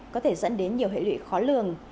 có thể dẫn đến nhiều hệ lụy khó lường